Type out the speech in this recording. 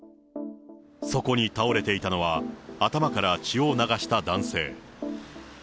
そこに倒れていたのは、頭から血を流した男性。